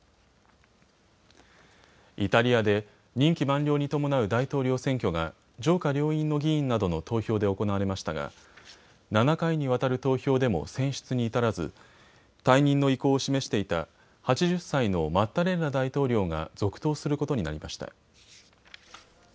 イタリアで任期満了に伴う大統領選挙が上下両院の議員などの投票で行われましたが７回にわたる投票でも選出に至らず退任の意向を示していた８０歳のマッタレッラ大統領が続投することになりました。